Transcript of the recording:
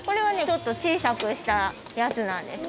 ちょっと小さくしたやつなんです。